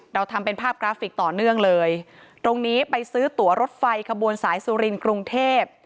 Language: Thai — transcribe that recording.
เราทำเป็นภาพกราฟิกต่อเนื่องเลยตรงนี้ไปซื้อตัวรถไฟขบวนสายสุรินทร์กรุงเทพ